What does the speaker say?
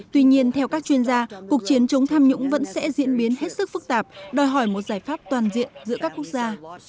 tuy nhiên theo các chuyên gia cuộc chiến chống tham nhũng vẫn sẽ diễn biến hết sức phức tạp đòi hỏi một giải pháp toàn diện giữa các quốc gia